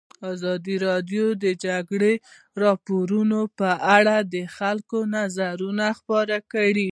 ازادي راډیو د د جګړې راپورونه په اړه د خلکو نظرونه خپاره کړي.